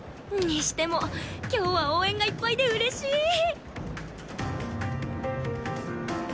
にしても今日は応援がいっぱいで嬉しい！